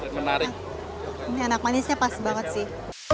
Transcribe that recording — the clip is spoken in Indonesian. ini enak manisnya pas banget sih